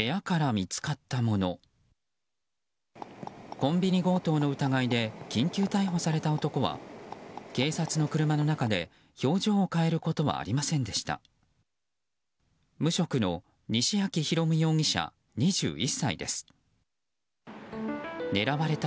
コンビニ強盗の疑いで緊急逮捕された男は警察の車の中で表情を変えることはありませんでした。